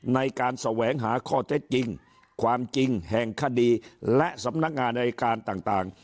ในการแสวงหาข้อเท็จจริงความจริงแห่งคดีและสำนักงานอายการต่าง